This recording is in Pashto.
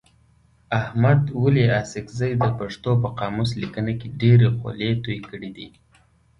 احمد ولي اڅکزي د پښتو په قاموس لیکنه کي ډېري خولې توی کړي دي.